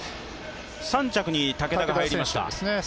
３着に竹田が入りました。